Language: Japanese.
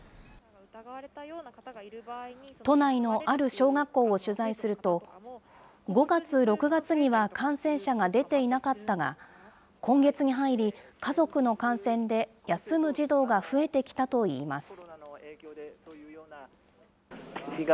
都内のある小学校を取材すると、５月、６月には感染者が出ていなかったが、今月に入り、家族の感染で休む児童が増えてきたといいます。